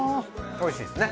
おいしいですね。